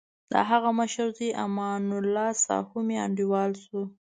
دهغه مشر زوی امان الله ساهو مې انډیوال شو.